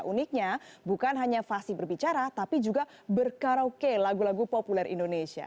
uniknya bukan hanya fasi berbicara tapi juga berkaraoke lagu lagu populer indonesia